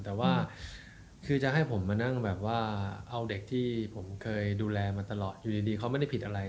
แต่ว่าคือจะให้ผมมานั่งแบบว่าเอาเด็กที่ผมเคยดูแลมาตลอดอยู่ดีเขาไม่ได้ผิดอะไร